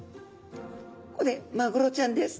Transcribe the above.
これマグロちゃんです。